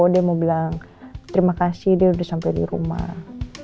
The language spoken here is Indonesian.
dia mau bilang terima kasih dia udah sampai di rumah